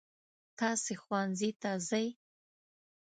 تاسې ښوونځي ته ځئ.